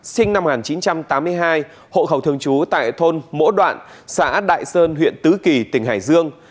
sinh năm một nghìn chín trăm tám mươi hai hộ khẩu thường trú tại thôn mỗ đoạn xã đại sơn huyện tứ kỳ tỉnh hải dương